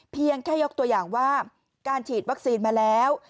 เพียงแค่ยกตัวอย่างว่าการฉีดวัคซีนมาแล้ว